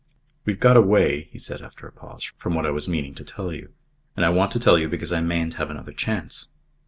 "We've got away," he said, after a pause, "from what I was meaning to tell you. And I want to tell you because I mayn't have another chance."